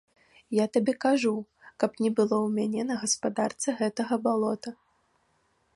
Я табе кажу, каб не было ў мяне на гаспадарцы гэтага балота.